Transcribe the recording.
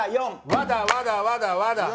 わだわだわだわだ。